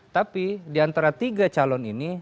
tapi diantara tiga calon ini